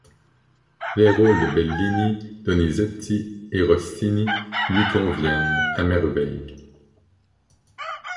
Les rôles de Bellini, Donizetti et Rossini lui conviennent à merveille.